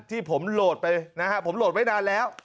ที่ผมโหลดไปนะฮะผมโหลดไว้นานแล้ว